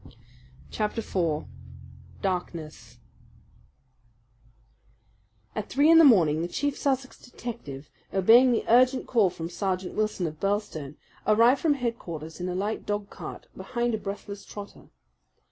Chapter 4 Darkness At three in the morning the chief Sussex detective, obeying the urgent call from Sergeant Wilson of Birlstone, arrived from headquarters in a light dog cart behind a breathless trotter.